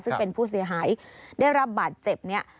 ซึ่งเป็นผู้เสียหายได้รับบาดเจ็บเนี่ย